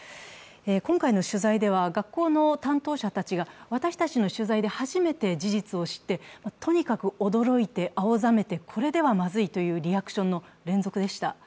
今回の取材では、学校の担当者たちが私たちの取材で初めて事実を知って、とにかく驚いて、青ざめて、これではまずいというリアクションの連続でした。